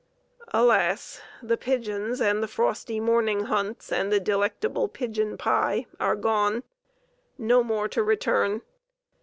Alas, the pigeons and the frosty morning hunts and the delectable pigeon pie are gone, no more to return.